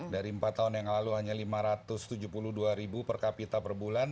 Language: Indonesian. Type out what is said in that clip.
dari empat tahun yang lalu hanya lima ratus tujuh puluh dua ribu per kapita per bulan